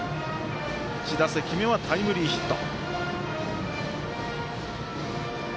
１打席目はタイムリーヒット。